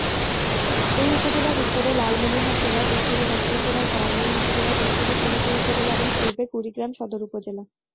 এ উপজেলার উত্তরে লালমনিরহাট জেলা, পশ্চিমে রংপুর জেলার, কাউনিয়া উপজেলা দক্ষিণে উলিপুর উপজেলা, এবং পুর্বে কুড়িগ্রাম সদর উপজেলা।